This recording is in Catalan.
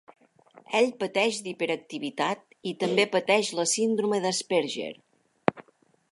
Ell pateix d'hiperactivitat i també pateix la síndrome d'Asperger.